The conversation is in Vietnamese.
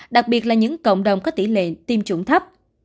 đặc biệt là những cộng đồng có tỷ lệ tiêm chủng thấp